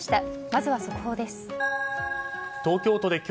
まずは速報です。